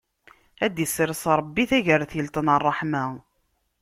Ad d-issers Ṛebbi tagertilt n ṛṛeḥma!